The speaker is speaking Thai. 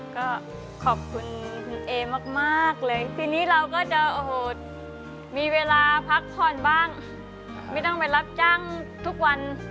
ก็ขอบคุณคุณเอมากเลยปีนี้เราก็จะโอ้โหมีเวลาพักผ่อนบ้างไม่ต้องไปรับจ้างทุกวัน